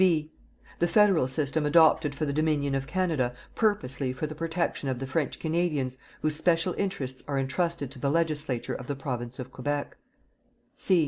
B The federal system adopted for the Dominion of Canada purposely for the protection of the French Canadians whose special interests are entrusted to the Legislature of the Province of Quebec.